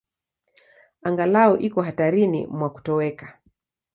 Angalau iko hatarini mwa kutoweka.